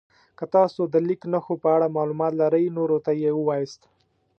که تاسو د لیک نښو په اړه معلومات لرئ نورو ته یې ووایاست.